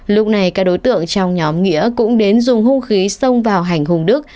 lúc này các đối tượng trong nhóm nghĩa cũng đến dùng hung khí xông vào hành hùng đức